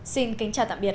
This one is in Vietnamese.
xin kính chào tạm biệt